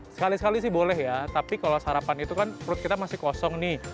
sekali sekali sih boleh ya tapi kalau sarapan itu kan perut kita masih kosong nih